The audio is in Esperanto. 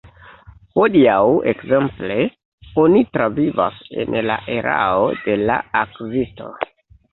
Hodiaŭ, ekzemple, oni travivas en la erao de la Akvisto.